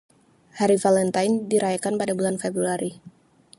Hari Valentine dirayakan pada bulan Februari.